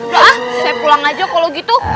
wah saya pulang aja kalau gitu